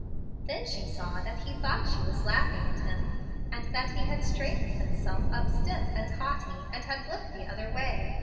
"Then she saw that he thought she was laughing at him, and that he had straightened himself up stiff and haughty and had looked the other way.